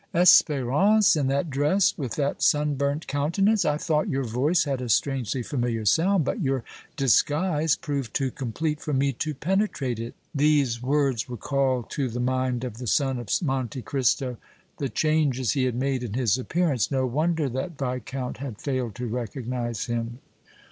Espérance in that dress, with that sunburnt countenance! I thought your voice had a strangely familiar sound, but your disguise proved too complete for me to penetrate it!" These words recalled to the mind of the son of Monte Cristo the changes he had made in his appearance. No wonder that Viscount had failed to recognize him!